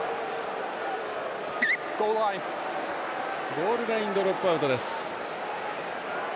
ゴールラインドロップアウトです。